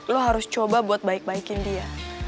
lo harus coba buat baik baikin dia